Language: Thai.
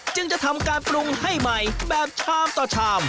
จึงจะทำการปรุงให้ใหม่แบบชามต่อชาม